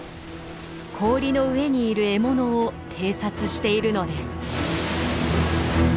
氷の上にいる獲物を偵察しているのです。